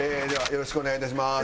よろしくお願いします。